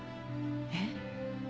えっ？